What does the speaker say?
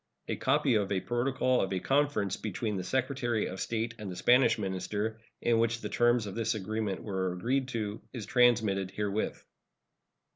A copy of a protocol of a conference between the Secretary of State and the Spanish minister, in which the terms of this arrangement were agreed to, is transmitted herewith.